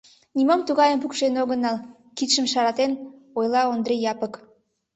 — Нимом тугайым пукшен огынал, — кидшым шаралтен, ойла Ондри Япык.